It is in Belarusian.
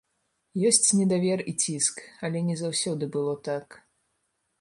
Ёсць недавер і ціск, але не заўсёды было так.